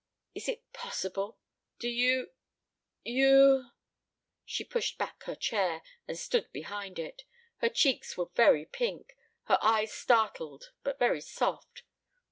"Is it possible do you you " She pushed back her chair, and stood behind it. Her cheeks were very pink, her eyes startled, but very soft.